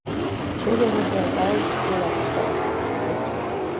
Šodien redzēju daudzus cilvēkus tautastērpos.